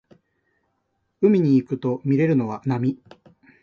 海に行くとみれるのは波